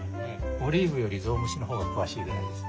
オリーブよりゾウムシの方が詳しいぐらいですね。